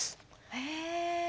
へえ。